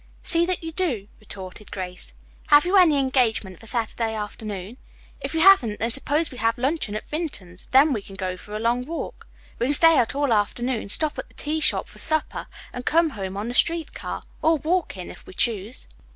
"See that you do," retorted Grace. "Have you any engagement for Saturday afternoon? If you haven't, then suppose we have luncheon at Vinton's; then go for a long walk. We can stay out all afternoon, stop at the tea shop for supper and come home on the street car, or walk in, if we choose.